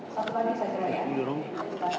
satu lagi saya cerai